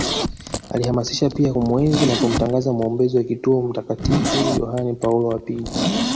Alihamasisha pia kumuenzi na kumtangaza mwombezi wa kituo Mtakatifu Yahane Paulo wa pili